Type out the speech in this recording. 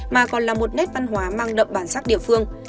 mà còn là một nét văn hóa mang đậm bản sắc địa phương